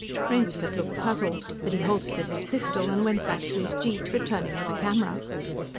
Rainsford looked puzzled, but he holstered his pistol and went back to his jeep, returning with a camera.